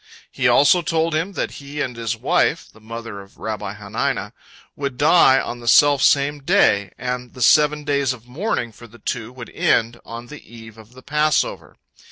He also told him that he and his wife, the mother of Rabbi Hanina, would die on the selfsame day, and the seven days of mourning for the two would end on the eve of the Passover.